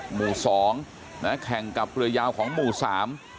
หมู่สองนะแข่งกับเรือยาวของหมู่สาม